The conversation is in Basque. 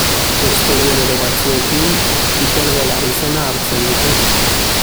Beste genero batzuekin, piper-belar izena hartzen dute.